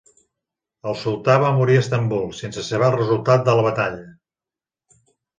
El sultà va morir a Istanbul sense saber el resultat de la batalla.